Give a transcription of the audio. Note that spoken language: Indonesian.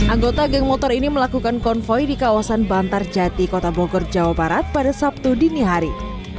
anggota geng motor ini melakukan konvoy di kawasan bantar jati kota bogor jawa barat pada sabtu dini hari